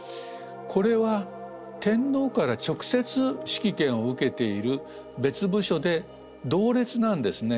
これは天皇から直接指揮権を受けている別部署で同列なんですね。